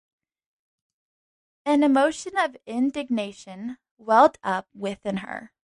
An emotion of indignation welled up within her.